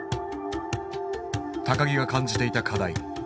木が感じていた課題。